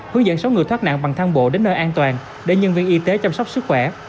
hướng dẫn sáu người thoát nạn bằng thang bộ đến nơi an toàn để nhân viên y tế chăm sóc sức khỏe